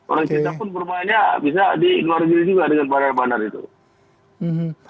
orang kita pun bermainnya bisa di luar negeri juga dengan bandar bandar itu